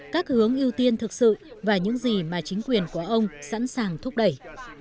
các hướng ưu tiên thực sự và những gì mà chính quyền của ông sẵn sàng thúc đẩy